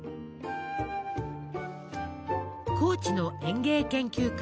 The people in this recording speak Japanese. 高知の園芸研究家